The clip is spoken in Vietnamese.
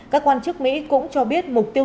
các quan chức mỹ cũng cho biết mục tiêu